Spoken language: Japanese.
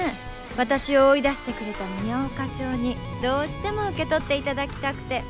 私を追い出してくれた宮尾課長にどうしても受け取って頂きたくて。